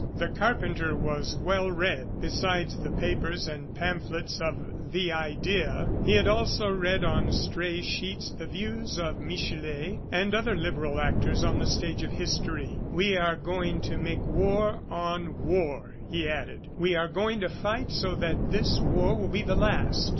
The carpenter was well read. Besides the papers and pamphlets of "the Idea," he had also read on stray sheets the views of Michelet and other liberal actors on the stage of history. "We are going to make war on War," he added. "We are going to fight so that this war will be the last."